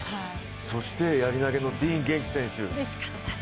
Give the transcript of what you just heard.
そしてやり投のディーン元気選手。